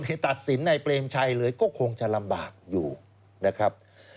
ตัดสินในเปรมชัยเลยก็คงจะลำบากอยู่นะครับ